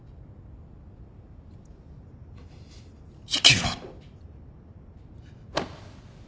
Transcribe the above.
生きろ。